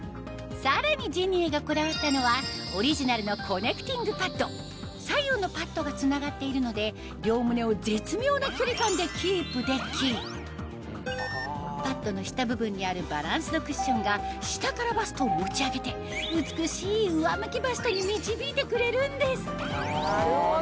さらにジニエがこだわったのは左右のパッドがつながっているので両胸を絶妙な距離感でキープできパッドの下部分にあるバランスドクッションが下からバストを持ち上げて美しい上向きバストに導いてくれるんです